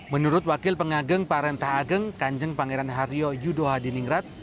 menurut wakil pengageng parenta ageng kanjeng pangeran hario yudho hadiningrat